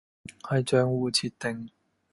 係賬戶設定